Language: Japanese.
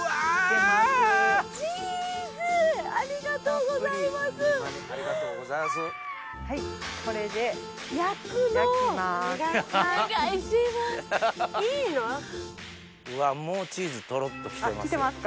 うわもうチーズとろっと来てます。